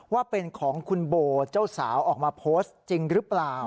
ว่าเป็นของคุณโบเจ้าสาวออกมาโพสต์จริงหรือเปล่า